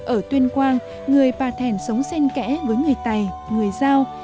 ở tuyên quang người bà thèn sống xen kẽ với người tài người giao